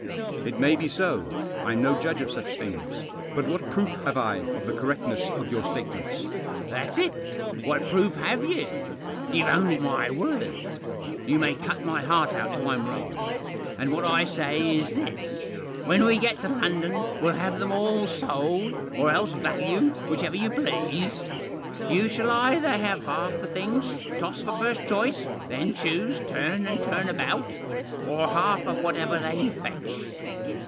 "It may be so. I'm no judge of such things. But what proof have I of the correctness of your statements ?"" That's it ; what proof have you ? You've only my word. You may cut my heart out if I'm wrong. And what I say is this. When we get to London we'll have them all sold, or else valued — whichever you please. You shall either have half the things — toss for first choice, then choose turn and turn about ; or half of whatever they fetch."